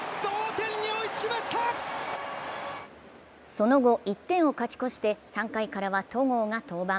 その後、１点を勝ち越して３回からは戸郷が登板。